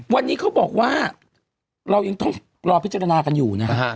วันนี้เขาบอกว่าเรายังต้องรอพิจารณากันอยู่นะฮะ